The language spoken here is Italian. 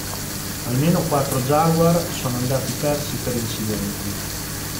Almeno quattro Jaguar sono andati persi per incidenti.